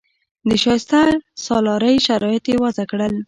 د شایسته سالارۍ شرایط یې وضع کړل.